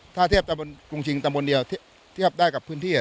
ถ้าเทียบตะบนกรุงชิงตำบลเดียวเทียบได้กับพื้นที่